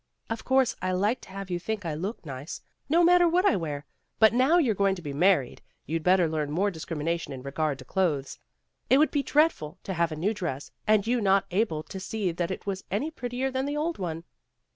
Of course I like to have you think I look nice, no matter what I wear, but now you're going to be married, you'd better learn more discrimina tion in regard to clothes. It would be dread ful to have a new dress and you not able to see that it was any prettier than the old one."